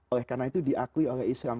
oleh karena itu diakui oleh islam